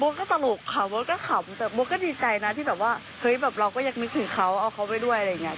ก็ตลกขำโบ๊ทก็ขำแต่โบ๊ทก็ดีใจนะที่แบบว่าเฮ้ยแบบเราก็ยังนึกถึงเขาเอาเขาไปด้วยอะไรอย่างเงี้